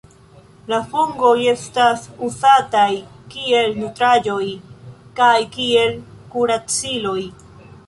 La fungoj estas uzataj kiel nutraĵoj kaj kiel kuraciloj.